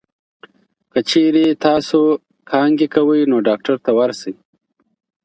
که چېرې تاسو کانګې کوئ، نو ډاکټر ته ورشئ.